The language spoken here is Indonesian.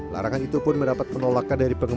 larangan itu pun mendapat penolakan dari pengelola